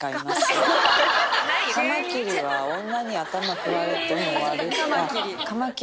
カマキリは女に頭食われて終わる。